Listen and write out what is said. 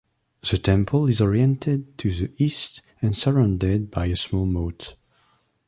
The temple is oriented to the East and surrounded by a small moat.